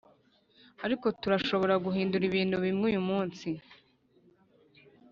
ariko turashobora guhindura ibintu bimwe uyu munsi ...